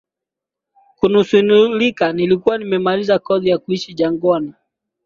kunusurika Nilikuwa nimemaliza kozi ya kuishi jangwani